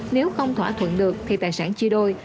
nếu không thỏa thuận được thì tài sản chia đôi